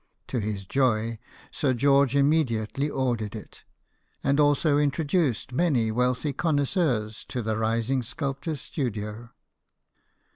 To his joy, Sir George immediately ordered it, and also introduced many wealthy connoisseurs to the rising sculptor's studio.